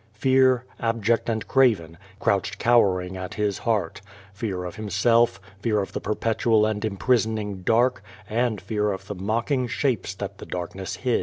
Fear, abject and craven, crouched cowering at his heart fear of himself, fear of the perpetual and imprisoning dark, and fear of the mocking shapes that the darkness hid.